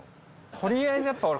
とりあえずやっぱ俺。